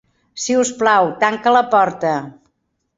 Si us plau, tanca la porta.